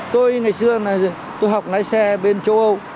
tôi ngày xưa là tôi học lái xe bên châu âu